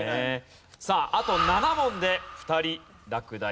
さああと７問で２人落第。